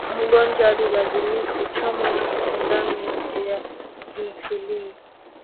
mgonjwa analazimika kuchomwa sindano ya insulini